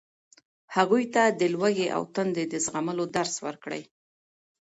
هغوی ته د لوږې او تندې د زغملو درس ورکړئ.